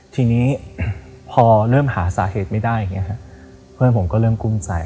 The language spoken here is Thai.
ทีนี้พอเริ่มหาสาเหตุไม่ได้อย่างนี้ฮะเพื่อนผมก็เริ่มกุ้มใจ